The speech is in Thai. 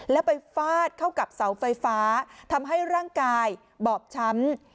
แล้วไปฟาดเข้ากับเสาไฟฟ้าทำให้ร่างกายบอบช้ำ